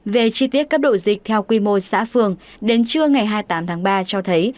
về chi tiết cấp độ dịch theo quy mô xã phường đến trưa ngày hai mươi tám tháng ba cho thấy